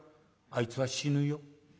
あいつは死ぬよ。